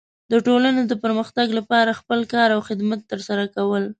د ټولنې د پرمختګ لپاره خپل کار او خدمت ترسره کول.